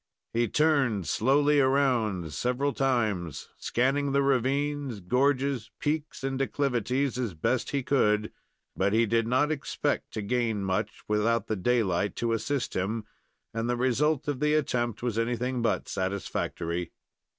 He turned slowly around several times, scanning the ravines, gorges, peaks, and declivities as best he could; but he did not expect to gain much, without the daylight to assist him, and the result of the attempt was anything but satisfactory.